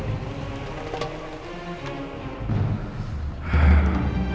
sekaligus saya mau mengalihkan tongkat ini